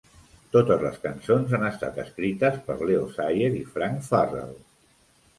Totes les cançons han estat escrites per Leo Sayer i Frank Farrell.